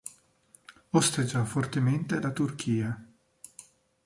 Osteggiò fortemente la Turchia.